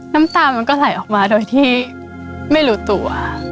น้ำตามันก็ไหลออกมาโดยที่ไม่รู้ตัว